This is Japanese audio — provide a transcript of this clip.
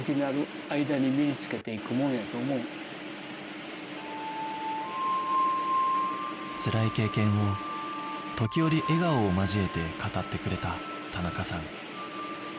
せやからつらい経験を時折笑顔を交えて語ってくれた田中さん